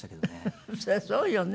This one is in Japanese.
そりゃそうよね。